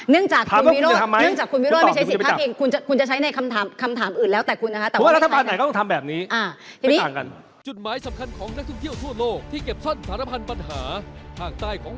เนื่องจากคุณวิโรธไม่ใช้สิทธิ์ทางเอง